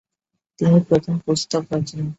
তিনি প্রথম পুস্তক রচনা করেন।